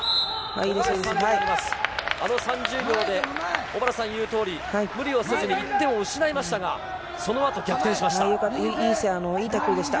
あの３０秒で小原さんの言うとおり無理をせずに１点を失いましたがいいタックルでした。